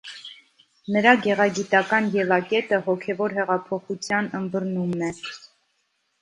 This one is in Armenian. Նրա գեղագիտական ելակետը «հոգևոր հեղափոխության» ըմբռնումն է։